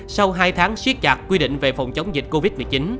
sau hai tháng siết chặt quy định về phòng chống dịch covid một mươi chín